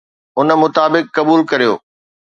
ان مطابق قبول ڪريو